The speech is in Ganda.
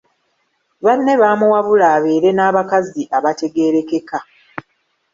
Banne baamuwabula abeere n'abakazi abategeerekeka.